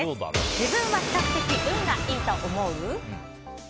自分は比較的運がいいと思う？